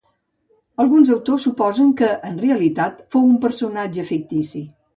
Alguns autors suposen que en realitat fou un personatge fictici.